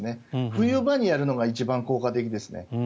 冬場にやるのが一番効果的ですね。